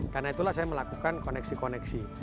karena itulah saya melakukan koneksi koneksi